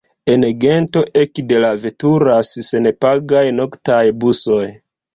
En Gento ekde la veturas senpagaj noktaj busoj.